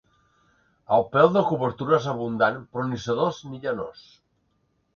El pèl de cobertura és abundant però ni sedós ni llanós.